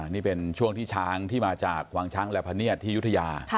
นี่เป็นช่วงที่ช้างที่มาจากวังช้างและพเนียดที่ยุธยา